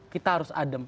kita harus adem